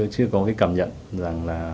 chưa có cảm nhận rằng là